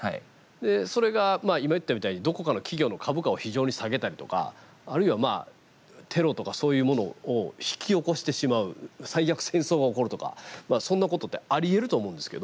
それがまあ今言ったみたいにどこかの企業の株価を非常に下げたりとかあるいはテロとかそういうものを引き起こしてしまう最悪戦争が起こるとかそんなことってありえると思うんですけど。